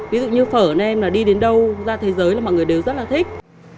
ví dụ như phở nè đi đến đâu ra thế giới là mọi người đều rất là thích